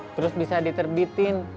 terus bisa diterbitin